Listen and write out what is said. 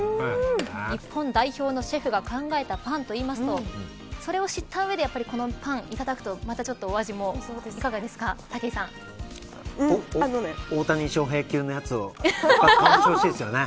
日本代表のシェフが考えたパンと言いますとそれを知った上でこのパンいただくとまたちょっと大谷翔平級のやつを感じてほしいですよね